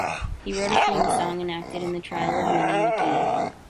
He wrote the theme song and acted in "The Trial of Minnie MacGee".